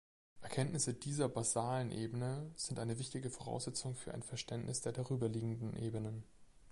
Erkenntnisse dieser basalen Ebene sind eine wichtige Voraussetzung für ein Verständnis der darüberliegenden Ebenen.